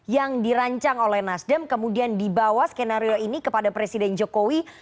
yang dirancang oleh nasdem kemudian dibawa skenario ini kepada presiden jokowi